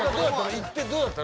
行ってどうだったの？